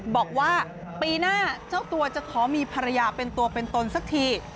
บอกว่าปีหน้าเจ้าตัวจะขอมีภรรยาเป็นตัวเป็นตนสักที